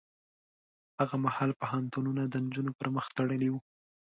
هغه مهال پوهنتونونه د نجونو پر مخ تړلي وو.